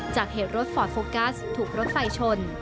จากเหตุรถฟอร์ตโฟกัสถูกรถไฟชน